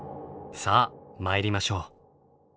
さあ参りましょう。